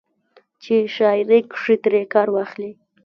چې شاعرۍ کښې ترې کار واخلي